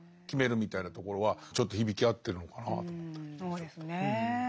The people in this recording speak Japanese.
そうですね。